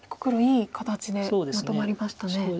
黒いい形でまとまりましたね。